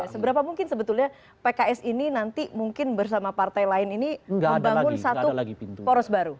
seberapa mungkin sebetulnya pks ini nanti mungkin bersama partai lain ini membangun satu poros baru